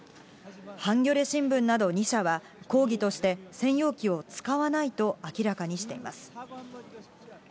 ハンギョレ新聞など２社は、抗議として専用機を使わないと明らかにしています。